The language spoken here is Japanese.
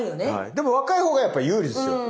でも若いほうがやっぱ有利ですよ。